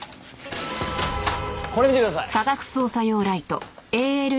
これ見てください！